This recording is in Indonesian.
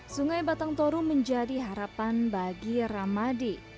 sungai batang toru menjadi harapan bagi ramadi